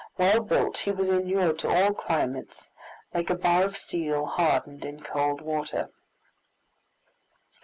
Well built, he was inured to all climates, like a bar of steel hardened in cold water.